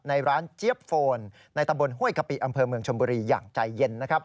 ในร้านเจี๊ยบโฟนในตำบลห้วยกะปิอำเภอเมืองชมบุรีอย่างใจเย็นนะครับ